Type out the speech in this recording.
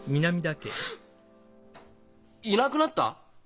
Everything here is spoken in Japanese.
いなくなった？